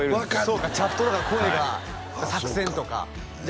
そうかチャットだから声がはい作戦とかじゃあ